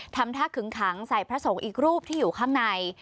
ทำท่าขึงขังใส่พระสงฆ์อีกรูปที่อยู่ข้างใน